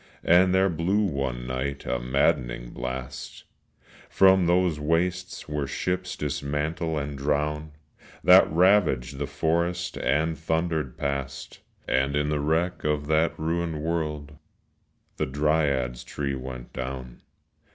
And there blew one night a maddening blast From those wastes where ships dismantle and drown, That ravaged the forest and thundered past; And in the wreck of that ruined world The dryad's tree went down.